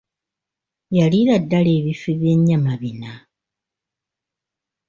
Yaliira ddala ebifi by'enyama bina!